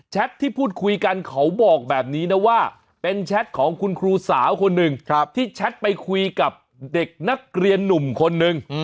ที่พูดคุยกันเขาบอกแบบนี้นะว่าเป็นแชทของคุณครูสาวคนหนึ่งที่แชทไปคุยกับเด็กนักเรียนหนุ่มคนนึง